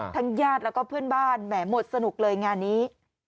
ญาติแล้วก็เพื่อนบ้านแหมหมดสนุกเลยงานนี้